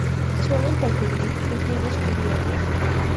Suelen preferir los nidos cubiertos.